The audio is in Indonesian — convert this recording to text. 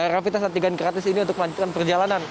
rapid test antigen gratis ini untuk melanjutkan perjalanan